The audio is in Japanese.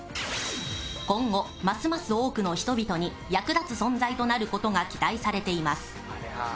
今後、ますます多くの人々に役立つ存在となることが期待されています。